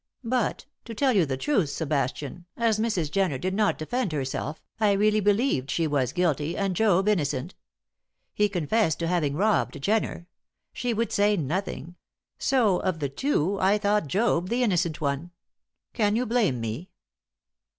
But, to tell you the truth, Sebastian, as Mrs. Jenner did not defend herself, I really believed she was guilty, and Job innocent. He confessed to having robbed Jenner; she would say nothing; so of the two, I thought Job the innocent one. Can you blame me?"